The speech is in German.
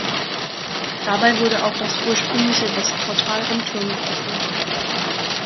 Dabei wurde auch das ursprüngliche Westportal am Turm geöffnet.